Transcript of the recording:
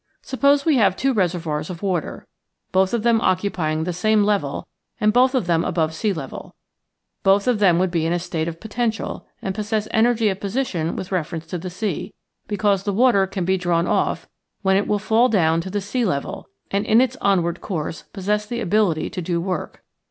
Suppose we have two reservoirs of water, both of them occupying the same level and both of them above sea level. Both of them would be in a state of potential, and possess energy of position with reference to the sea, because the water can be drawn off, when it will fall down to the sea level, and in its onward course possess the ability to do work.